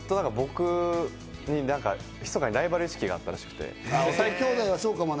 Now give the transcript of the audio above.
ずっと僕にひそかにライバル意識があったみたいで。